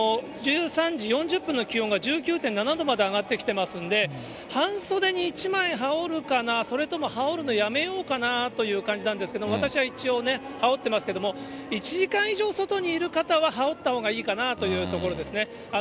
１３時４０分の気温が１９．７度まで上がってきてますんで、半袖に１枚羽織るかな、それとも羽織るのやめようかなという感じなんですが、私は一応で、羽織ってますけれども、１時間以上外にいる方は羽織ったほうがいいかなというところですね。